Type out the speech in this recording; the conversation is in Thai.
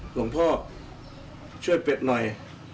หลวงพ่อช่วยเป็ดหน่อย